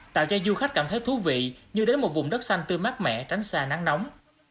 tạo cho du khách cảm thấy thú vị như đến một vùng đất xanh tươi mát mẻ tránh xa nắng nóng